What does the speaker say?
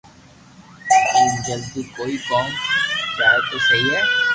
ايم جلدو ڪوم ھوئي جائين تو سھي ھي